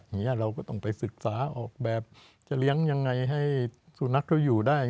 อย่างนี้เราก็ต้องไปศึกษาออกแบบจะเลี้ยงยังไงให้สุนัขเขาอยู่ได้